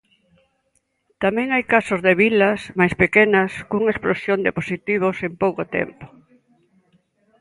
Tamén hai casos de vilas máis pequenas cunha explosión de positivos en pouco tempo.